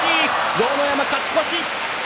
豪ノ山、勝ち越し。